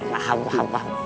paham paham paham